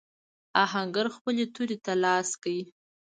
آهنګر خپلې تورې ته لاس کړ.